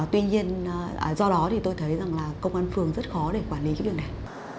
tuy nhiên do đó thì tôi thấy rằng là công an phường rất khó để quản lý cái việc này